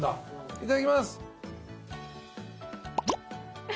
いただきます。